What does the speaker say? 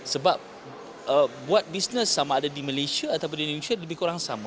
sebab buat bisnis sama ada di malaysia atau di indonesia lebih kurang sama